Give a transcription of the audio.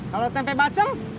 kalau tempe bacem